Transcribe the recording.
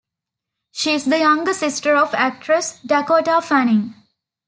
She is the younger sister of actress Dakota Fanning.